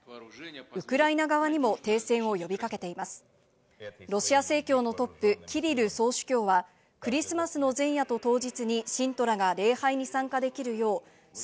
ウクライナ側にも停戦を呼びかけています。